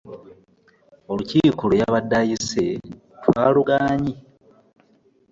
Olukiiko lwe yabadde ayise twalugaanyi.